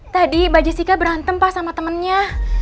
tadi mbak jessica berantem pak sama temennya